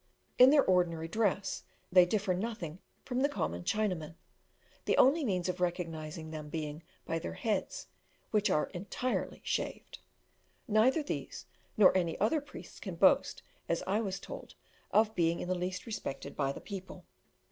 In their ordinary dress, they differ nothing from the common Chinamen, the only means of recognising them being by their heads, which are entirely shaved. Neither these nor any other priests can boast, as I was told, of being in the least respected by the people.